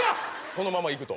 このままいくと。